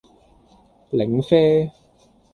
檸啡